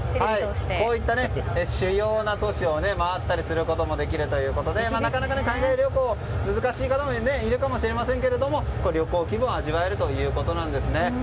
こういった主要な都市を回ったりすることもできてなかなか海外旅行難しい方もいるもしれませんけど旅行気分を味わえるということです。